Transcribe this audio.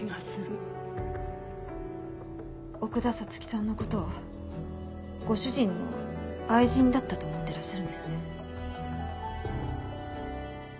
奥田彩月さんの事ご主人の愛人だったと思ってらっしゃるんですね？